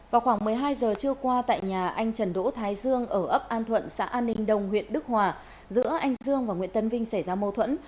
vào khoảng một mươi hai giờ trưa qua tại nhà anh trần đỗ thái dương ở ấp an thuận xã an ninh đông huyện đức hòa giữa anh dương và nguyễn tấn vinh xảy ra mâu thuẫn